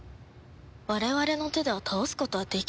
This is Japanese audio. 我々の手では倒すことはできない。